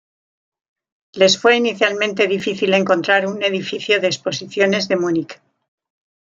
Les fue inicialmente difícil encontrar un edificio de exposiciones de Múnich.